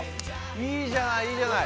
いいじゃないいいじゃない。